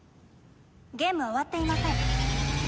ゲームは終わっていません。